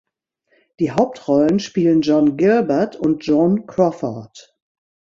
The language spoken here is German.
Die Hauptrollen spielen John Gilbert und Joan Crawford.